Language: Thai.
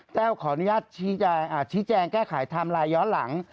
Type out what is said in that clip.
แต้วขออนุญาตชี้แจงแก้ไขทำลายย้อนหลัง